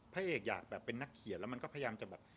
พระเอกอยากแบบเป็นนักเขียนแล้วมันก็พยายามจะแบบ